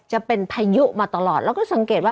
จะเป็นพายุมาตลอดแล้วก็สังเกตว่า